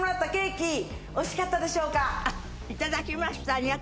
いただきました。